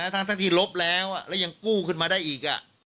ทั้งที่ลบแล้วแล้วยังกู้ขึ้นมาได้อีก